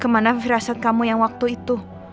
kemana firasat kamu yang waktu itu